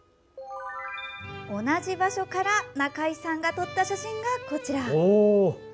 同じ場所から中井さんが撮った写真が、こちら。